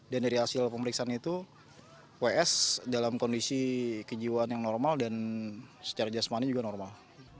dan dari hasil pemeriksaan itu ws dalam kondisi kejiwaan yang normal dan secara jasmani juga normal